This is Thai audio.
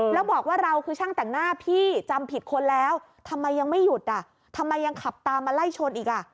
แล้วบอกว่าเราคือช่างแต่งหน้าพี่จำผิดคนแล้วทำไมยังไม่หยุดอ่ะทำไมยังขับตามมาไล่ชนอีกอ่ะ